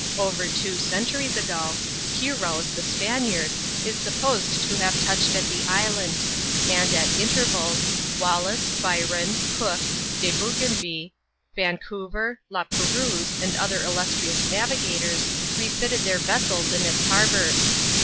Over two centuries ago, Quiros, the Spaniard, is supposed to have touched at the island ; and, at intervals, Wallis, Byron, Cook, De Bourgainville, Vancouver, La Perouse, and other illustrious navigators, refitted their vessels in its harbours.